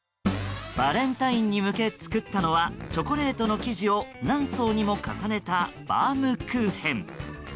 バレンタインに向け作ったのはチョコレートの生地を何層にも重ねたバームクーヘン。